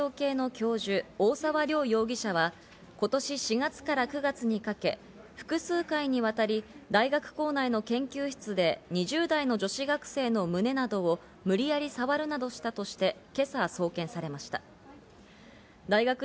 警察によりますと筑波大学・生命環境系の教授、大沢良容疑者は、今年４月から９月にかけ、複数回にわたり大学構内の研究室で２０代の女子学生の胸などを無理やり触るなどしたとして今朝、送検されました。